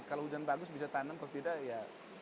kalau hujan bagus bisa tanam kalau tidak ya